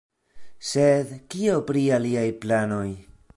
Sed kio pri aliaj planoj?